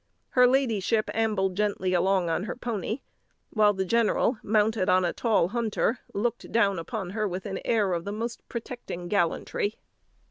Her ladyship ambled gently along on her pony, while the general, mounted on a tall hunter, looked down upon her with an air of the most protecting gallantry.